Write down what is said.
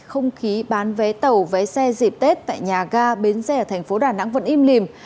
không khí bán vé tàu vé xe dịp tết tại nhà ga bến xe ở thành phố đà nẵng vẫn im lìm